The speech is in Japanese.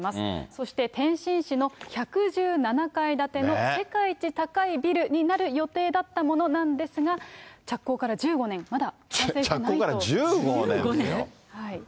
そして天津市の１１７階建ての世界一高いビルになる予定だったものなんですが、着工から１５年、着工から１５年ですよ。